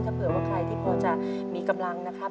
ถ้าเผื่อว่าใครที่พอจะมีกำลังนะครับ